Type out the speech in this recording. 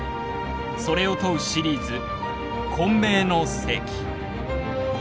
それを問うシリーズ「混迷の世紀」。